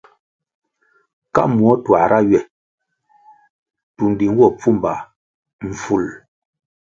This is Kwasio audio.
Ka muo tuãhra ywe tundi nwo pfumba mful.